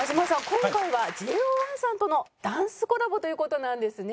今回はＪＯ１さんとのダンスコラボという事なんですね。